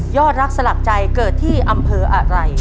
อดรักสลักใจเกิดที่อำเภออะไร